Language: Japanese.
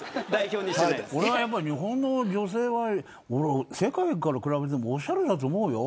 日本の女性は世界から比べてもおしゃれだと思うよ。